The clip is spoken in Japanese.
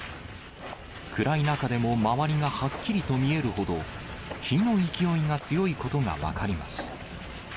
暗い中でも周りがはっきりと見えるほど、火の勢いが強いことが分かります。